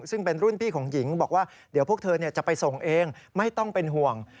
ซึ่งเป็นรุ่นพี่ของหญิงบอกว่าเดี๋ยวพวกเธอจะไปส่งเองไม่ต้องเป็นห่วง